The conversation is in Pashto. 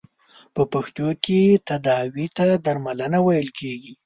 په پښتو کې تداوې ته درملنه ویل کیږی.